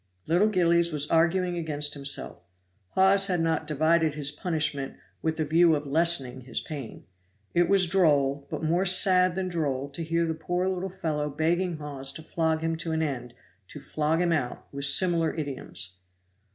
Little Gillies was arguing against himself. Hawes had not divided his punishment with the view of lessening his pain. It was droll, but more sad than droll to hear the poor little fellow begging Hawes to flog him to an end, to flog him out; with similar idioms.